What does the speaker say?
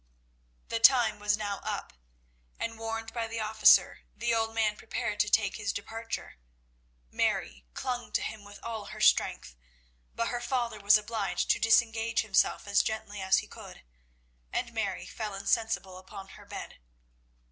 The time was now up, and, warned by the officer, the old man prepared to take his departure. Mary clung to him with all her strength, but her father was obliged to disengage himself as gently as he could, and Mary fell insensible upon her bed.